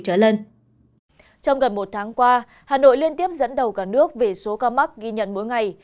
trong gần một tháng qua hà nội liên tiếp dẫn đầu cả nước về số ca mắc ghi nhận mỗi ngày